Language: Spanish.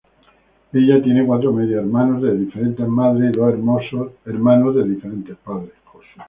Ella tiene cuatro medio hermanos de diferentes madres y dos hermanos de diferentes padres.